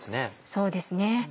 そうですね。